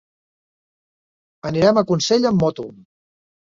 Anirem a Consell amb moto.